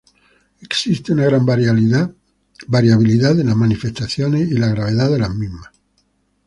Existe una gran variabilidad en las manifestaciones y la gravedad de las mismas.